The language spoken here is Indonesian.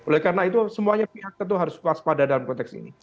oleh karena itu semuanya pihak kentung harus puas pada dalam konteks ini